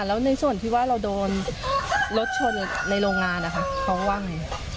แล้วในส่วนที่ว่าเราโดนรถชนในโรงงานนะคะเขาก็ว่าไง